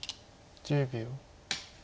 １０秒。